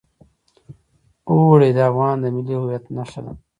اوړي د افغانستان د ملي هویت نښه ده.